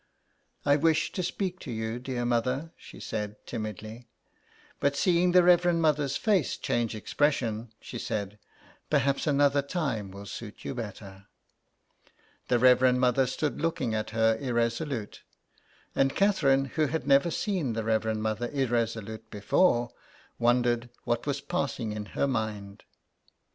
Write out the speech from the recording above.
" I wish to speak to you, dear Mother," she said timidly. But seeing the Reverend Mother's face change expression, she said, " Perhaps another time will suit you better." The Reverend Mother stood looking at her, irre solute; and Catherine, who had never seen the Reverend Mother irresolute before, wondered what was passing in her mind.